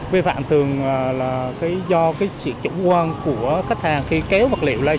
vi phạm thường là do cái sự chủ quan của khách hàng khi kéo vật liệu lên